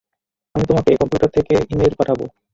আমি তোমাকে কম্পিউটার থেকে ই-মেইল পাঠাবো।